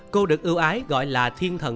cô được ưu ái gọi là thiên ngân